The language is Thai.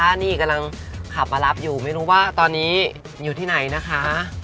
นี่กำลังขับมารับอยู่ไม่รู้ว่าตอนนี้อยู่ที่ไหนนะคะ